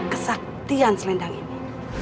kesaktian selendang ini